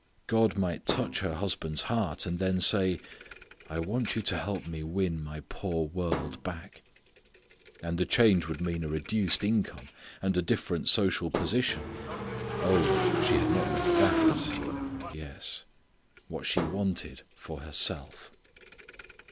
God might touch her husband's heart, and then say: "I want you to help Me win My poor world back." And the change would mean a reduced income, and a different social position. Oh! she had not meant that! Yes what she wanted for herself!